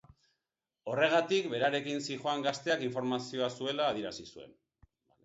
Horregatik, berarekin zihoan gazteak informazioa zuela adierazi zien.